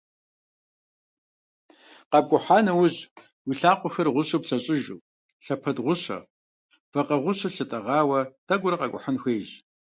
КъэпкӀухьа нэужь, уи лъакъуэхэр гъущэу плъэщӀыжу, лъэпэд гъущэ, вакъэ гъущэ лъытӀэгъауэ тӀэкӀурэ къэкӀухьын хуейщ.